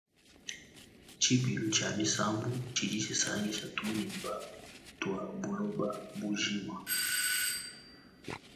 Tshibilu tshia misambu tshidi tshisangisha tungimba tua buloba bujima.